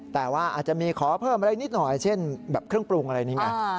แต่ว่าอาจจะมีขอเพิ่มอะไรนิดหน่อยเช่นแบบเครื่องปรุงอะไรนี้ไง